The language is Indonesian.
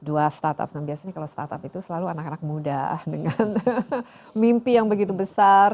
dua startup biasanya kalau startup itu selalu anak anak muda dengan mimpi yang begitu besar